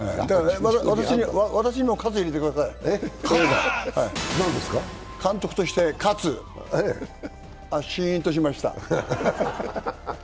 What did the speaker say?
私に喝を入れてください、監督して喝、あ、しーんとしました。